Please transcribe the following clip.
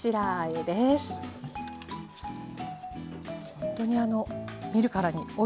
ほんとにあの見るからにおいしそう！